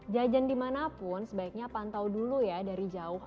jajan dimanapun sebaiknya pantau dulu ya dari jauh